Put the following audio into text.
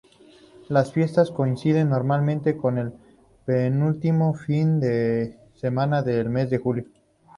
Las fiestas coinciden, normalmente, con el penúltimo fin de semana del mes de julio.